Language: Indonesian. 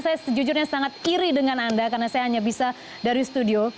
saya sejujurnya sangat iri dengan anda karena saya hanya bisa dari studio